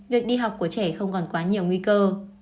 việc đi học của trẻ không còn quá nhiều nguy cơ